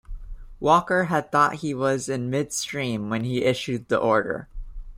Walker had thought he was in mid-stream when he issued the order.